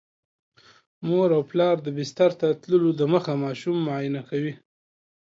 مور او پلار د بستر ته تللو دمخه ماشوم معاینه کوي.